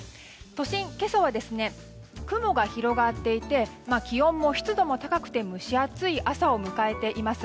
都心、今朝は雲が広がっていて気温も湿度も高くて蒸し暑い朝を迎えています。